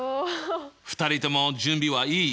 ２人とも準備はいい？